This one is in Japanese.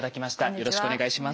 よろしくお願いします。